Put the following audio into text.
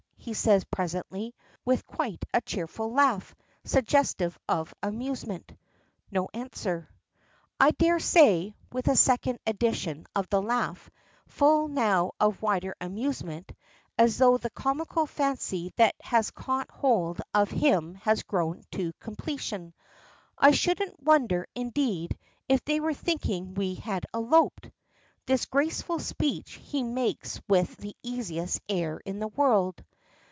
he says presently, with quite a cheerful laugh, suggestive of amusement. No answer. "I daresay," with a second edition of the laugh, full now of a wider amusement, as though the comical fancy that has caught hold of him has grown to completion, "I shouldn't wonder, indeed, if they were thinking we had eloped." This graceful speech he makes with the easiest air in the world.